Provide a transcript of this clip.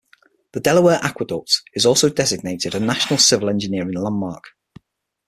The Delaware Aqueduct is also designated a National Civil Engineering Landmark.